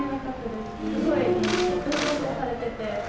すごい堂々とされてて。